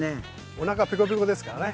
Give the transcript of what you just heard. おなかペコペコですからね。